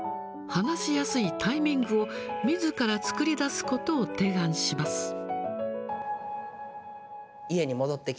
話しやすいタイミングをみずから作りだすことを提案します。